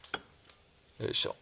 よいしょ。